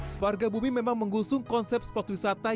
separga bumi memang mengusung konsep spot wisata